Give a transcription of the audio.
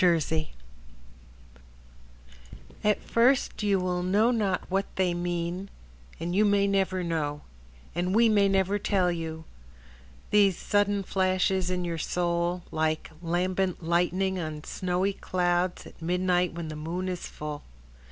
Faith Matheny At first you will know not what they mean, And you may never know, And we may never tell you:— These sudden flashes in your soul, Like lambent lightning on snowy clouds At midnight when the moon is full.